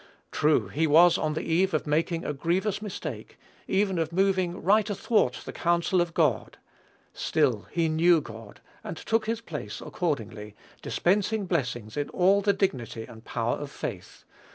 True, he was on the eve of making a grievous mistake, even of moving right athwart the counsel of God; still he knew God, and took his place accordingly, dispensing blessings in all the dignity and power of faith.